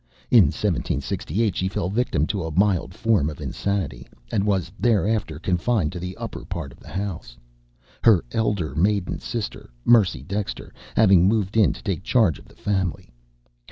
In 1768 she fell victim to a mild form of insanity, and was thereafter confined to the upper part of the house; her elder maiden sister, Mercy Dexter, having moved in to take charge of the family.